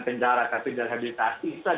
ke penjara tapi di rehabilitasi